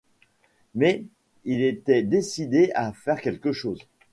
Mais il était décidé à faire quelque chose.